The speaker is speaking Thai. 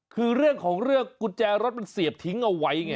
คือเรื่องของเรื่องกุญแจรถมันเสียบทิ้งเอาไว้ไง